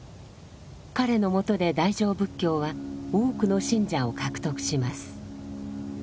彼のもとで大乗仏教は多くの信者を獲得します。